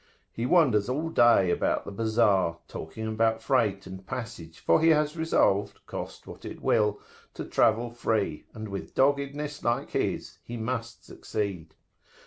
He wanders all day about the bazar, talking about freight and passage, for he has resolved, cost what it will, to travel free, and, with doggedness like his, he must succeed.